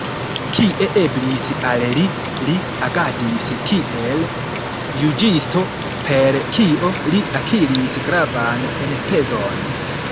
Kie eblis al li, li agadis kiel juĝisto, per kio li akiris gravan enspezon.